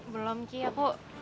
belom ki aku